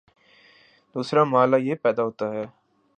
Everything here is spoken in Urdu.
دوسرا مألہ یہ پیدا ہوتا ہے